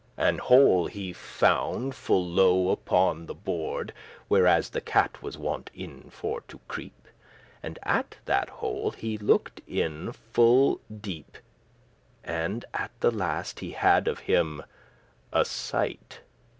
An hole he found full low upon the board, Where as the cat was wont in for to creep, And at that hole he looked in full deep, And at the last he had of him a sight.